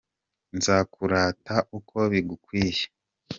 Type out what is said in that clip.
Nzakurata uko bigukwiye